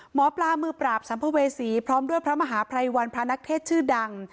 หมอปลามือปราบสัมภเวษีพร้อมด้วยพระมหาภัยวันพระนักเทศชื่อดัง